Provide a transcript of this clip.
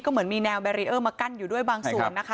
เหมือนมีแนวแบรีเออร์มากั้นอยู่ด้วยบางส่วนนะคะ